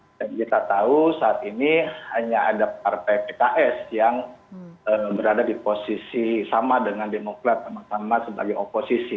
dan kita tahu saat ini hanya ada partai pks yang berada di posisi sama dengan demokrat sama sama sebagai oposisi